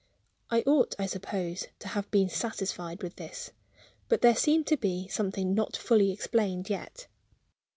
I ought, I suppose, to have been satisfied with this. But there seemed to be something not fully explained yet.